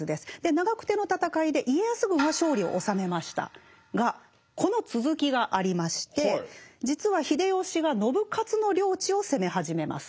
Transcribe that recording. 長久手の戦いで家康軍は勝利を収めましたがこの続きがありまして実は秀吉が信雄の領地を攻め始めます。